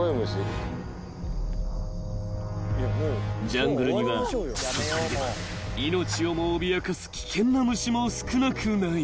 ［ジャングルには刺されれば命をも脅かす危険な虫も少なくない］